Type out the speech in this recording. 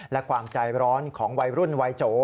และความใจร้อนของวัยรุ่นวัยโจ